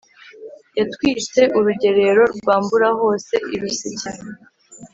yatwitse urugerero rwa mburahose i rusekera